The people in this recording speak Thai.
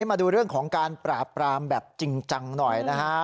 มาดูเรื่องของการปราบปรามแบบจริงจังหน่อยนะฮะ